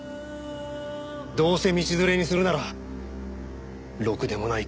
どうせ道連れにするならろくでもない